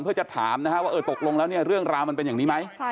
เพื่อจะถามว่าตกลงแล้วเรื่องราวมันเป็นอย่างนี้ไหม